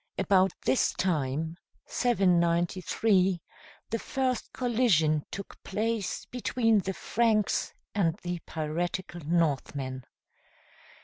About this time, 793, the first collision took place between the Franks and the piratical Northmen.